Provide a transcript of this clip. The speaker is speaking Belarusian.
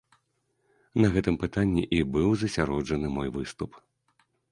На гэтым пытанні і быў засяроджаны мой выступ.